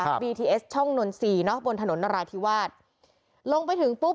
ครับบีทีเอสช่องนซีน่ะบนถนนอราธิวาสลงไปถึงปุ๊บ